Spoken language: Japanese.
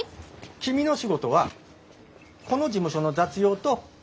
君の仕事はこの事務所の雑用とお茶くみ。